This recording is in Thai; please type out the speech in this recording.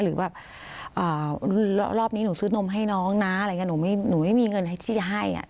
หรือแบบรอบนี้หนูซื้อนมให้น้องนะหนูไม่มีเงินที่จะให้